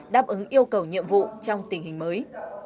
đáp ứng yêu cầu nhiệm vụ trong tình hình mới